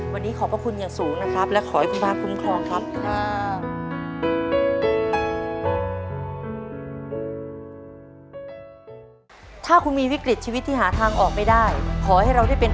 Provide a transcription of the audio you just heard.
วันนี้ขอบพระคุณอย่างสูงนะครับและขอให้คุณพระคุ้มครองครับ